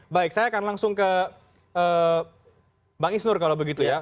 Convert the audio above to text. baik saya akan langsung ke bang isnur kalau begitu ya